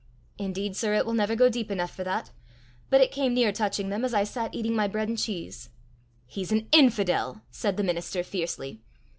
"Indeed, sir, it will never go deep enough for that! But it came near touching them as I sat eating my bread and cheese." "He's an infidel!" said the minister fiercely.